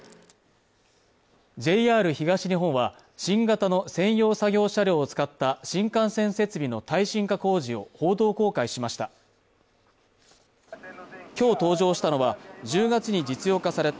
ＪＲ東日本は新型の専用作業車両を使った新幹線設備の耐震化工事を報道公開しました